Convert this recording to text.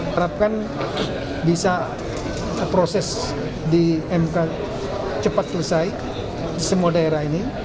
harapkan bisa proses di mk cepat selesai semua daerah ini